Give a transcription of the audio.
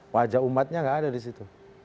wajah umatnya nggak ada di situ